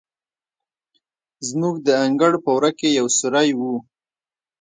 زموږ د انګړ په وره کې یو سورى و.